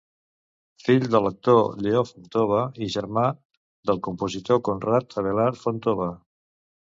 Fill de l'actor Lleó Fontova i germà del compositor Conrad Abelard Fontova.